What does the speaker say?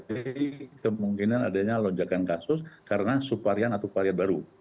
jadi kemungkinan adanya lonjakan kasus karena subvarian atau varian baru